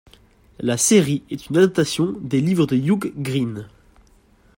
La série est une adaptation des livres de Hugh Greene.